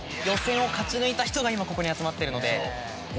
予選を勝ち抜いた人が今ここに集まってるので。